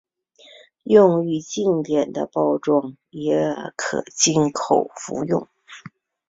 用于静滴的包装也可经口服用。